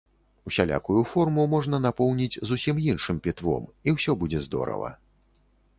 Усялякую форму можна напоўніць зусім іншым пітвом, і ўсё будзе здорава.